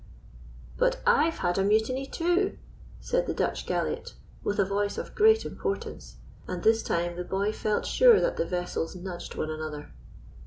"But I've had a mutiny, too!" said the Dutch galliot, with a voice of great importance; and this time the boy felt sure that the vessels nudged one another.